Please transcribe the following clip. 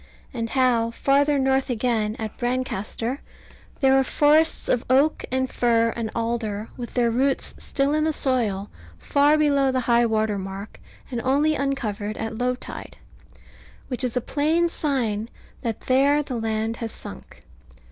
And how, farther north again, at Brancaster, there are forests of oak, and fir, and alder, with their roots still in the soil, far below high water mark, and only uncovered at low tide; which is a plain sign that there the land has sunk.